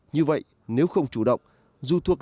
như vậy nếu không chủ động dù thuộc